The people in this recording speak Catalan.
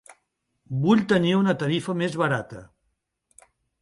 Vull tenir una tarifa més barata.